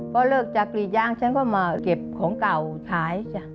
พอเลิกจากกรีดยางฉันก็มาเก็บของมา